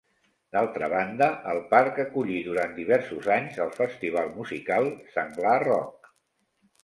D'altra banda, el parc acollí durant diversos anys el festival musical Senglar Rock.